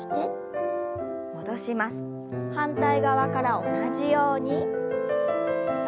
反対側から同じように。